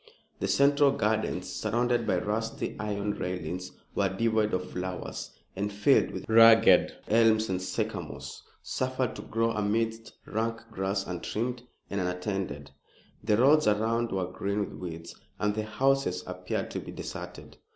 The central gardens, surrounded by rusty iron railings, were devoid of flowers and filled with ragged elms and sycamores, suffered to grow amidst rank grass untrimmed and unattended. The roads around were green with weeds, and the houses appeared to be deserted.